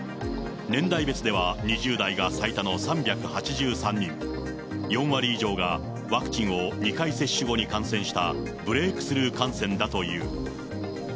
年代別では、２０代が最多の３８３人、４割以上がワクチンを２回接種後に感染したブレークスルー感染だという。